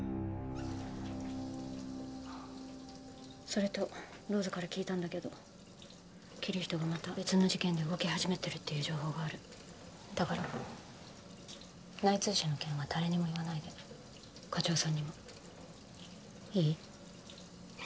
それとローズから聞いたんだけどキリヒトがまた別な事件で動き始めてるっていう情報があるだから内通者の件は誰にも言わないで課長さんにもいい？